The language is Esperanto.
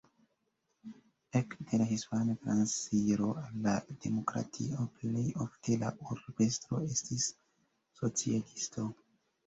Ekde la Hispana Transiro al la demokratio plej ofte la urbestro estis socialisto.